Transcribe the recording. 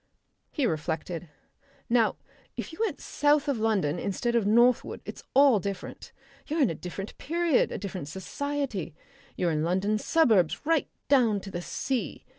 He reflected. "Now if you went south of London instead of northward it's all different. You're in a different period, a different society. You're in London suburbs right down to the sea.